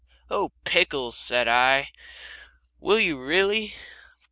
"Oh, pickles!" said I. "Will you, really?